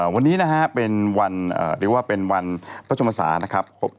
วันนี้นะฮะเป็นวันอาจารย์ประจงมศาครับ